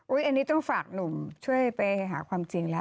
อันนี้ต้องฝากหนุ่มช่วยไปหาความจริงแล้ว